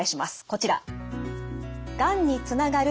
こちら。